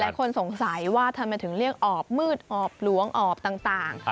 คนสงสัยว่าทำไมถึงเรียกออบมืดออบหลวงออบต่าง